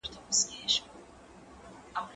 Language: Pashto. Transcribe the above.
مکتب خلاص کړه!!